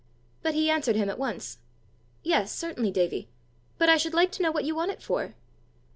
But he answered him at once. "Yes, certainly, Davie. But I should like to know what you want it for."